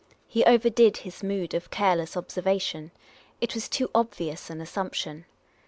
He overdid his mood of careless observa tion. It was too obvious an assumption.